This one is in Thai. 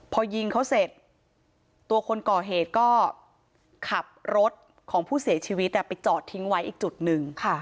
พอยิงเขาเสร็จตัวคนก่อเหตุก็ขับรถของผู้เสียชีวิตไปจอดทิ้งไว้อีกจุดหนึ่ง